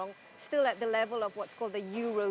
masih di tahap yang disebut euro dua